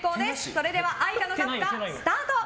それでは愛花のカフカスタート！